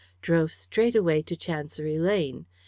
Drove straight away to Chancery Lane.